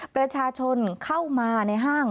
ประชาชนเข้ามาในห้าง